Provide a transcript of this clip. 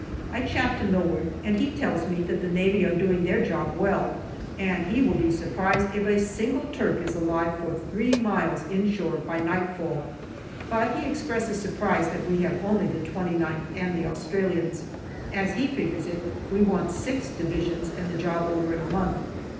I chat to Milward, and he tells me that the Navy are doing their job well, and he will be surprised if a single Turk is alive for three miles inshore by nightfall, but he expresses surprise that we have only the 2Qth and Australians ; as he figures it we want six Divisions and the job over in a month.